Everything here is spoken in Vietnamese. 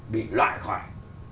bị loại khỏi